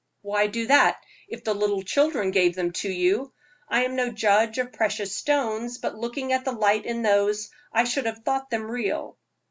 "Why do that, if the little children gave them to you? I am no judge of precious stones, but looking at the light in those, I should have thought them real."